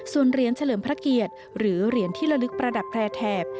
ส่วนเหรียญเฉลิมพระเกียรติหรือเหรียญที่ละลึกประดับแพร่แถบ